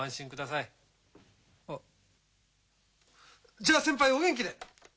じゃあ先輩お元気で！